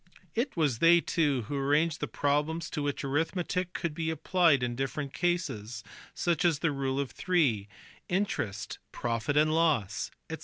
It was they too who arranged the problems to which arithmetic could be applied in different classes, such as rule of three, interest, profit and loss, &c.